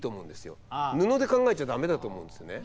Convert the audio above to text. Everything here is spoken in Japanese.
布で考えちゃダメだと思うんですね。